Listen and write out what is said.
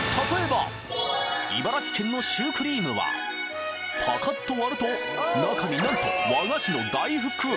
茨城県のシュークリームはパカッと割ると中になんと和菓子の大福！